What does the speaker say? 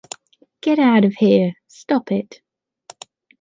Get out of here! Stop it!